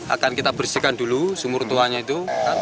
akan kita bersihkan dulu sumur tuanya itu